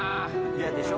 嫌でしょ？